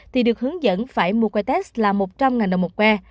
thì được hướng dẫn phải mua quay test là một trăm linh đồng một quay